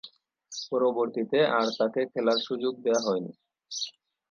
পরবর্তীতে আর তাকে খেলার সুযোগ দেয়া হয়নি।